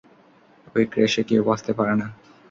ওই ক্র্যাশে কেউ বাঁচতে পারে না।